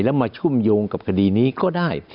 แล้วคุ้มโยงกับคดีนี้ได้